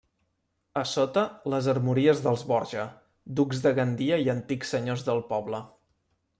A sota, les armories dels Borja, ducs de Gandia i antics senyors del poble.